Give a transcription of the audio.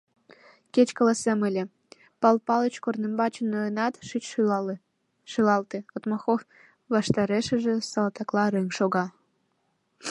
Кеч каласем ыле: Пал Палыч, корнымбачын ноенат, шич, шӱлалте, — Отмахов ваштарешыже салтакла рыҥ шога.